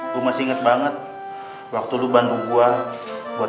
gua masih inget banget waktu lu bantu gua buat ngejar